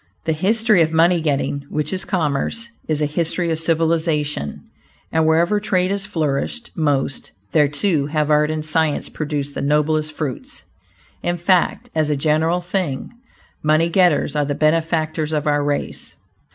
The history of money getting, which is commerce, is a history of civilization, and wherever trade has flourished most, there, too, have art and science produced the noblest fruits. In fact, as a general thing, money getters are the benefactors of our race.